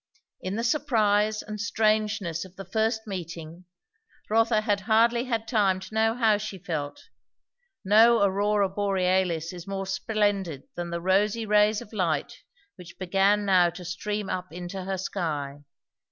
In the surprise and strangeness of the first meeting, Rotha had hardly had time to know how she felt; no Aurora Borealis is more splendid than the rosy rays of light which began now to stream up into her sky.